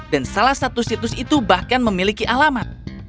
dan salah satu situs itu bahkan memiliki alamat